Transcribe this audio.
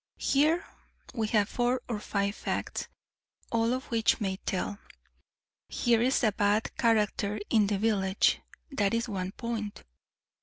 Here we have four or five facts, all of which may tell. Here is a bad character in the village; that is one point.